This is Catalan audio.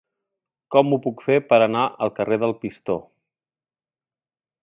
Com ho puc fer per anar al carrer del Pistó?